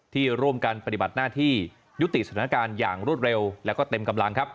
ที่ร่วมกันปฏิบัติหน้าที่ยุติสถานการณ์อย่างรวดเร็วแล้วก็เต็มกำลังครับ